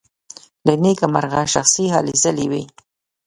له نېکه مرغه شخصي هلې ځلې وې.